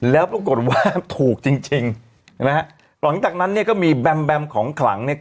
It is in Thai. แล้วก็กดว่าถูกจริงหลังจากนั้นเนี่ยก็มีแบมแบมของขลังเนี่ย